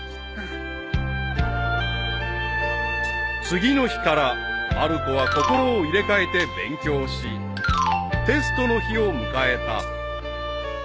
［次の日からまる子は心を入れ替えて勉強しテストの日を迎えた］